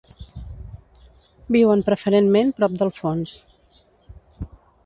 Viuen preferentment prop del fons.